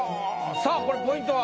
さあこれポイントは？